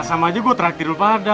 sama aja gue traktir lu pada